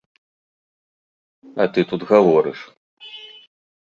А ты тут гаворыш!